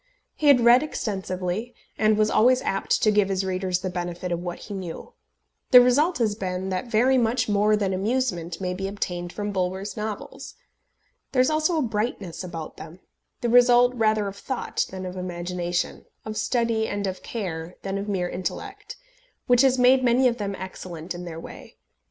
He had read extensively, and was always apt to give his readers the benefit of what he knew. The result has been that very much more than amusement may be obtained from Bulwer's novels. There is also a brightness about them the result rather of thought than of imagination, of study and of care, than of mere intellect which has made many of them excellent in their way.